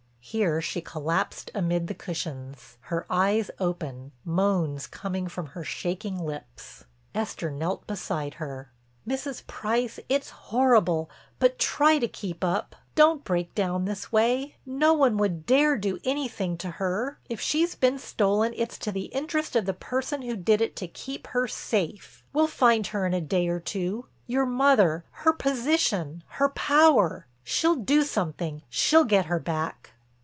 Here she collapsed amid the cushions, her eyes open, moans coming from her shaking lips. Esther knelt beside her: "Mrs. Price, it's horrible, but try to keep up, don't break down this way. No one would dare to do anything to her. If she's been stolen it's to the interest of the person who did it to keep her safe. We'll find her in a day or two. Your mother, her position, her power—she'll do something, she'll get her back."